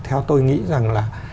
theo tôi nghĩ rằng là